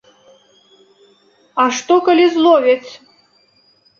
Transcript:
А што, калі зловяць?